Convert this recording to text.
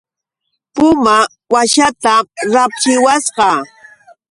Puma washaatam rapchiwasqa.